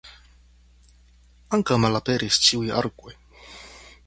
Ankaŭ malaperis ĉiuj arkoj.